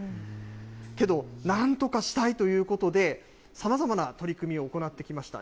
けど、なんとかしたいということで、さまざまな取り組みを行ってきました。